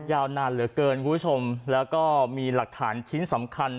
ยาวนานเหลือเกินคุณผู้ชมแล้วก็มีหลักฐานชิ้นสำคัญ